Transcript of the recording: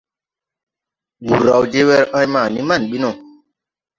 Wur raw je wer en ma ni man bi no.